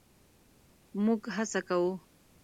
مونږ هڅه کوو